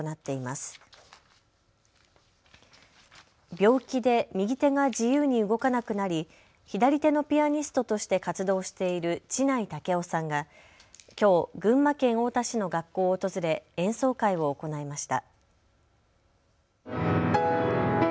病気で右手が自由に動かなくなり左手のピアニストとして活動している智内威雄さんがきょう群馬県太田市の学校を訪れ演奏会を行いました。